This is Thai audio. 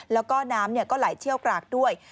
แล้วก็น้ำก็ไหลเชี่ยวกรากด้วย